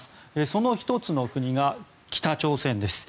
その１つの国が北朝鮮です。